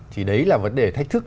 thì đấy là vấn đề thách thức